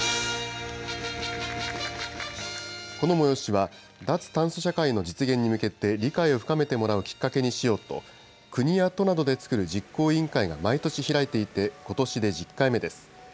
この催しは、脱炭素社会の実現に向けて理解を深めてもらうきっかけにしようと、国や都などで作る実行委員会が毎年開いていて、ことしで１０回目です。